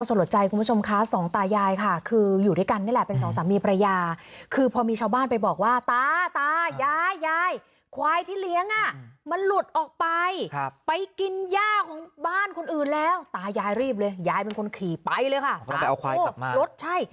ลดใจคุณผู้ชมคะสองตายายค่ะคืออยู่ด้วยกันนี่แหละเป็นสองสามีภรรยาคือพอมีชาวบ้านไปบอกว่าตาตายายยายควายที่เลี้ยงอ่ะมันหลุดออกไปไปกินย่าของบ้านคนอื่นแล้วตายายรีบเลยยายเป็นคนขี่ไปเลยค่ะรถใช่